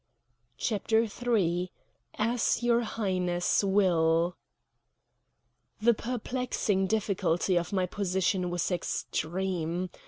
CHAPTER III "AS YOUR HIGHNESS WILL" The perplexing difficulty of my position was extreme.